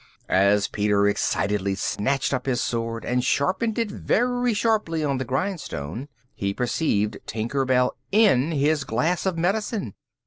As Peter excitedly snatched up his sword and sharpened it very sharply on the grindstone, he perceived Tinker Bell in his glass of medicine.